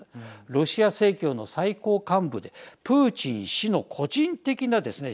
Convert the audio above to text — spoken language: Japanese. ロシア正教の最高幹部でプーチン氏の個人的なですね